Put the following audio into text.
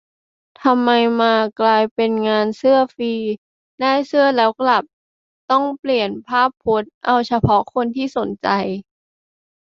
ทำไมทำมากลายเป็นงานเสื้อฟรี ได้เสื้อแล้วกลับ; ต้องเปลี่ยนภาพพจน์ เอาเฉพาะคนที่สนใจ